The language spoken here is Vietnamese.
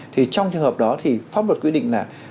thì trong trường hợp đó thì pháp luật quy định là